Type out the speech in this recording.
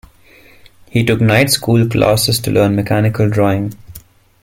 He took night school classes to learn mechanical drawing.